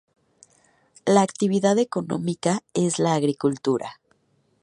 La actividad económica es la agricultura.